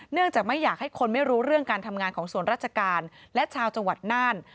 เนื่องจากไม่อยากให้คนไม่รู้เรื่องการทำงานของส่วนราชการและชาวจังหวัดน่าน